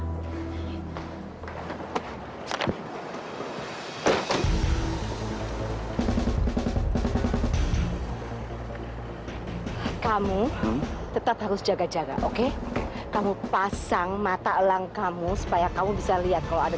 hai kamu tetap harus jaga jaga oke kamu pasang mata elang kamu supaya kamu bisa lihat kau ada